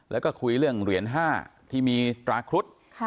แล้วก็คุยเรื่องเหรียญ๕ที่มีตราครุฑ